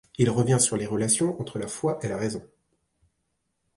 Il revient sur les relations entre la foi et la raison.